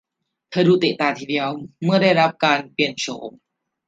เธอดูเตะตาทีเดียวเมื่อได้รับการเปลี่ยนโฉม